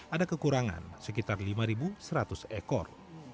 ada kekurangan sekitar lima seratus ekor